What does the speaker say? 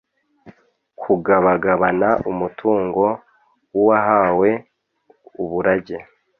kugabagabana umutungo w’uwahawe uburage